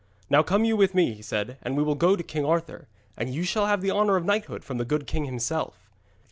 'Now come you with me,' he said, 'and we will go to King Arthur, and you shall have the honour of knighthood from the good king himself.'